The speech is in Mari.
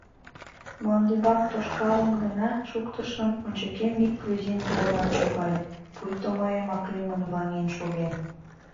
Мландӱмбак тошкалын гына шуктышым, ончыкем ик грузин толынат шогале, пуйто мыйымак лӱмын ваҥен шоген.